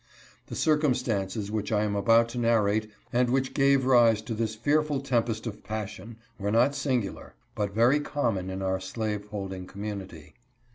The circumstances which I am about to narrate and which gave rise to this fearful tempest of passion, were not singular, but very common in our slave holding com munity.